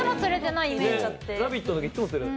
「ラヴィット！」だけいつも釣れない。